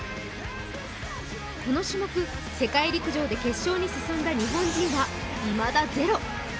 この種目、世界陸上で決勝に進んだ日本人は、いまだゼロ。